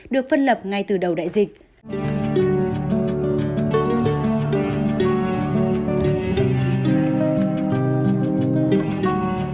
được phân lập ngay từ đầu đại dịch